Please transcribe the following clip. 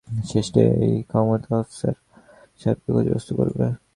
শেষটায় এই ক্ষমতা আফসার সাহেবকে ক্ষতিগ্রস্ত করবে।